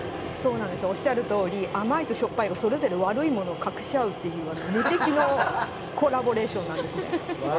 おっしゃるとおり甘いとしょっぱいがそれぞれ悪いものを隠しあうという無敵のコラボレーションなんですよ。